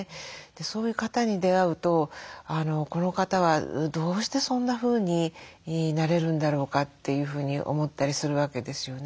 そういう方に出会うとこの方はどうしてそんなふうになれるんだろうか？というふうに思ったりするわけですよね。